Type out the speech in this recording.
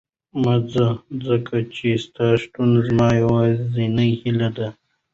مه ځه، ځکه چې ستا شتون زما یوازینۍ هیله ده.